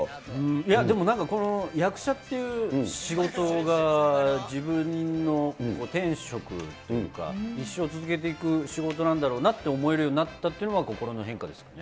いやでも、この役者っていう仕事が、自分の天職というか、一生続けていく仕事なんだろうなって思えるようになったっていうのが、心の変化ですかね。